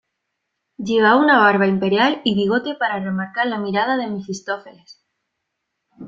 Llevaba una barba imperial y bigote para remarcar la mirada de Mefistófeles.